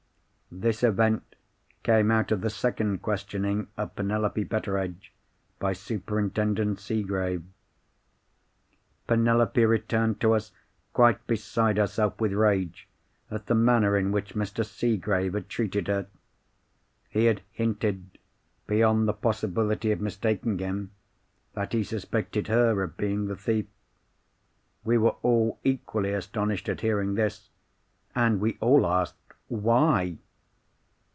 This event came out of the second questioning of Penelope Betteredge by Superintendent Seegrave. "Penelope returned to us quite beside herself with rage at the manner in which Mr. Seegrave had treated her. He had hinted, beyond the possibility of mistaking him, that he suspected her of being the thief. We were all equally astonished at hearing this, and we all asked, Why?